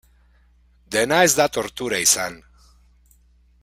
Dena ez da tortura izan.